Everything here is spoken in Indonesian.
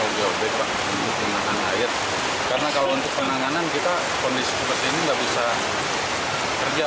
karena kalau untuk penanganan kita mengalami seperti ini nggak bisa kerja